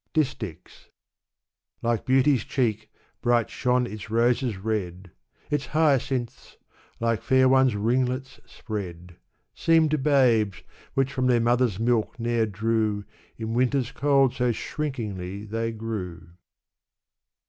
DisHchs. Like beauty's cheek, bright shone its roses red ; Its hyacinths — like fair ones' ringlets spread — Seemed babes, which from their mother milk ne'er drew, In winter's cold so shrinkingly they grew.